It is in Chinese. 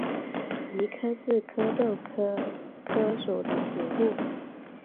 谊柯是壳斗科柯属的植物。